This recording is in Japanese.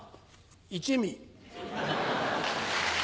一味。